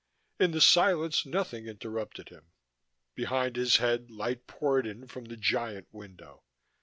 In the silence nothing interrupted him: behind his head light poured in from the giant window.